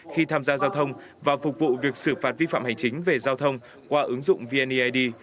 khi tham gia giao thông và phục vụ việc xử phạt vi phạm hành chính về giao thông qua ứng dụng vneid